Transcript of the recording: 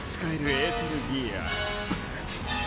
エーテルギア。